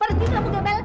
pergi kamu gemelan